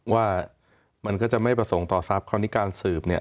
ว่ามันก็จะไม่ประสงค์ต่อทรัพย์คราวนี้การสืบเนี่ย